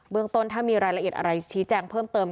เมืองต้นถ้ามีรายละเอียดอะไรชี้แจงเพิ่มเติม